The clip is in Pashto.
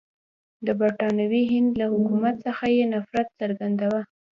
د برټانوي هند له حکومت څخه یې نفرت څرګندوه.